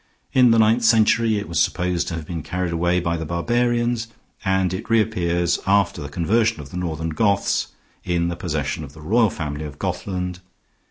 "In the ninth century it is supposed to have been carried away by the barbarians, and it reappears, after the conversion of the northern Goths, in the possession of the royal family of Gothland.